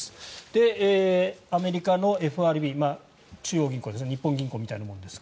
アメリカのＦＲＢ中央銀行ですね日本銀行みたいなものです。